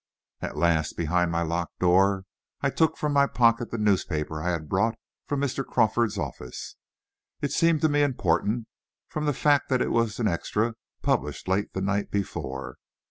At last, behind my locked door, I took from my pocket the newspaper I had brought from Mr. Crawford's office. It seemed to me important, from the fact that it was an extra, published late the night before.